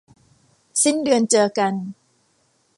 สิ้นเดือนเจอกัน